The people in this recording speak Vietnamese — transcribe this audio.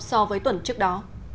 so với tuần trước đó